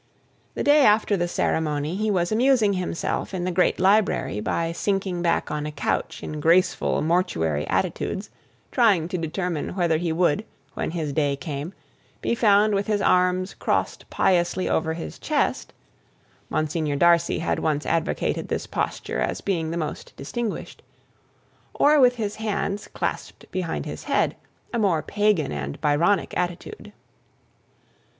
The day after the ceremony he was amusing himself in the great library by sinking back on a couch in graceful mortuary attitudes, trying to determine whether he would, when his day came, be found with his arms crossed piously over his chest (Monsignor Darcy had once advocated this posture as being the most distinguished), or with his hands clasped behind his head, a more pagan and Byronic attitude.